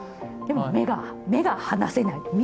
でも目が離せない。